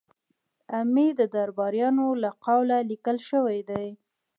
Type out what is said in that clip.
د امیر د درباریانو له قوله لیکل شوي دي.